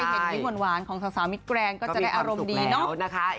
เห็นคลิปหวานของสาวมิดแกรนก็จะได้อารมณ์ดีเนาะนะคะ